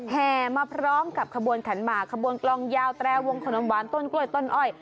แห่มาพร้อมกับขบวนขันหมากขบวนกลองยาวแตรวงขนมหวานต้นกล้วยต้นอ้อย